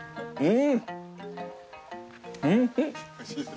うん。